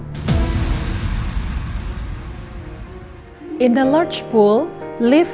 di kolam besar